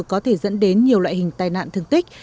có thể dẫn đến nhiều loại hình tai nạn thương tích